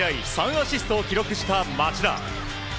３アシストを記録した町田。